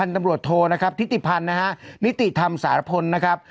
ตำรวจโทนะครับทิติพันธ์นะฮะนิติธรรมสารพลนะครับ